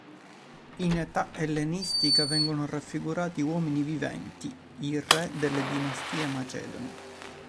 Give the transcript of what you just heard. In età ellenistica vengono raffigurati uomini viventi: i re delle dinastie macedoni.